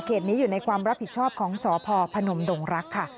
นี้อยู่ในความรับผิดชอบของสพพนมดงรักค่ะ